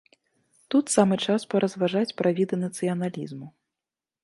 Тут самы час паразважаць пра віды нацыяналізму.